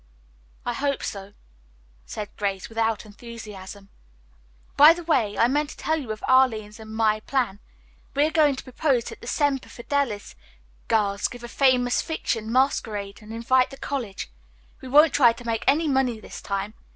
"I hope so," said Grace without enthusiasm. "By the way, I meant to tell you of Arline's and my plan. We are going to propose that the Semper Fidelis girls give a 'Famous Fiction' masquerade and invite the college. We won't try to make any money this time.